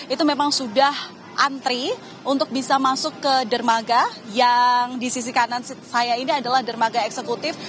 itu memang sudah antri untuk bisa masuk ke dermaga yang di sisi kanan saya ini adalah dermaga eksekutif